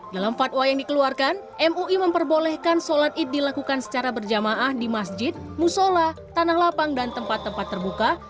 dalam fatwa yang dikeluarkan mui memperbolehkan sholat id dilakukan secara berjamaah di masjid musola tanah lapang dan tempat tempat terbuka